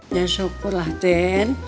ya syukur lah ten